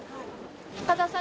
高田さん